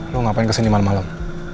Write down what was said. lo ngapain kesini malem malem